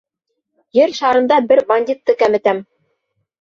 Ер шарында бер бандитты кәметәм!